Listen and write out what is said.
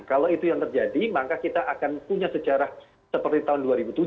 kalau itu yang terjadi maka kita akan punya sejarah seperti tahun dua ribu tujuh